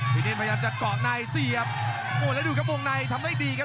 เน่นพยายามจะเกาะในเสียบโอ้แล้วดูครับวงในทำได้ดีครับ